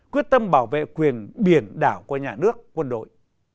quyết tâm bảo vệ quyền biển đảo của nhà nước quân đội